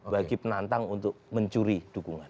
bagi penantang untuk mencuri dukungan